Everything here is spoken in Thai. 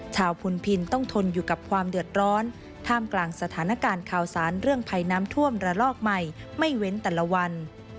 พุนพินต้องทนอยู่กับความเดือดร้อนท่ามกลางสถานการณ์ข่าวสารเรื่องภัยน้ำท่วมระลอกใหม่ไม่เว้นแต่ละวัน